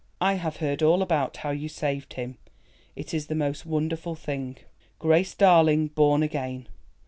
I have heard all about how you saved him; it is the most wonderful thing—Grace Darling born again.